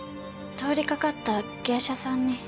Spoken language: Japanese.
通りかかった芸者さんに。